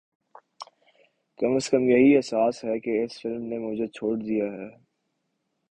کم از کم یہی احساس ہے کہ اس فلم نے مجھے چھوڑ دیا ہے